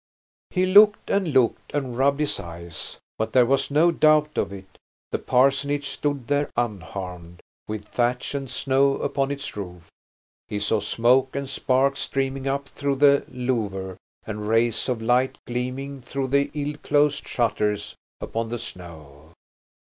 He looked and looked and rubbed his eyes, but there was no doubt of it, the parsonage stood there unharmed, with thatch and snow upon its roof. He saw smoke and sparks streaming up through the louver, and rays of light gleaming through the illclosed shutters upon the snow.